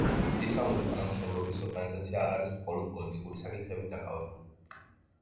ისლამური თანამშრომლობის ორგანიზაცია არ არის მხოლოდ პოლიტიკური საკითხებით დაკავებული.